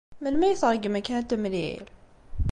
Melmi ay tṛeggem akken ad t-temlil?